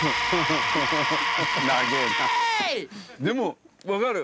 でも分かる。